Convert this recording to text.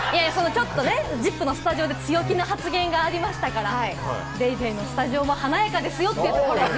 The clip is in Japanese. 『ＺＩＰ！』のスタジオで強気な発言がありましたから、『ＤａｙＤａｙ．』のスタジオも華やかですよってことで。